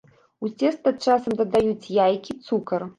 У цеста часам дадаюць яйкі, цукар.